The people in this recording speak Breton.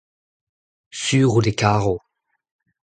sur out e karo.